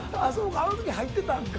あの時入ってたんか。